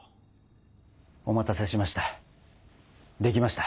お待たせしました。